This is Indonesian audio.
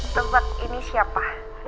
tempat ini siapa